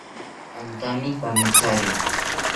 Antami kamethari